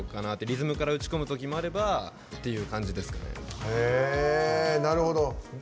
リズムから打ち込むときもあればっていう感じですね。